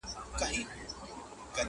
چي له دنیا نه ارمانجن راغلی یمه،